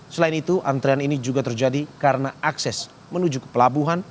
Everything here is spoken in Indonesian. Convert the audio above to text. selain itu antrean ini juga terjadi karena akses menuju ke pelabuhan